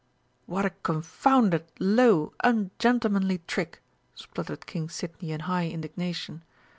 "What a confounded low, ungentlemanly trick!" spluttered King Sidney in high indignation.